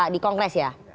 di kongres ya